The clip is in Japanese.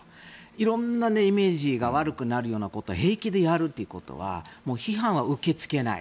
色んなイメージが悪くなるようなことを平気でやるということは批判は受け付けない。